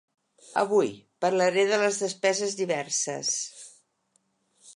Avui, parlaré de les despeses diverses.